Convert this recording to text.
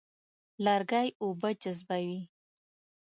لرګی اوبه جذبوي.